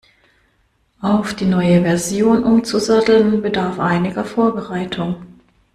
Auf die neue Version umzusatteln, bedarf einiger Vorbereitung.